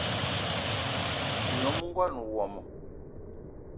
Nyom ngón wmo